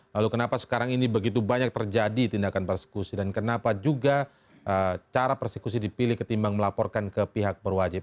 lalu kenapa sekarang ini begitu banyak terjadi tindakan persekusi dan kenapa juga cara persekusi dipilih ketimbang melaporkan ke pihak berwajib